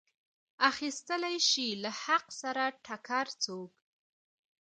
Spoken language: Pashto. اخیستلی شي له حق سره ټکر څوک.